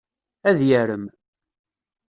Ad yarem.